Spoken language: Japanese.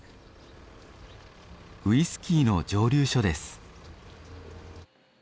ウイスキーの蒸留所です。